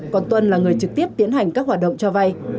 còn tuân là người trực tiếp tiến hành các hoạt động cho vay